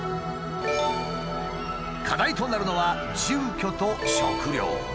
課題となるのは住居と食料。